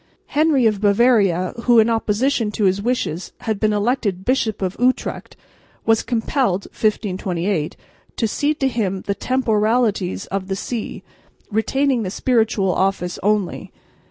Henry of Bavaria, who in opposition to his wishes had been elected Bishop of Utrecht, was compelled (1528) to cede to him the temporalities of the see, retaining the spiritual office only.